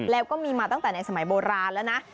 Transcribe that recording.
แล้วก็มีมาตั้งแต่ในสมัยโบราณแล้วนะ